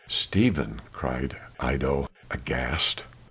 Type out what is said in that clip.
'" "Stephen," cried Iddo, aghast.